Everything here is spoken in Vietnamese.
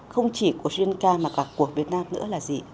không chỉ của sri lanka mà cả của việt nam nữa là gì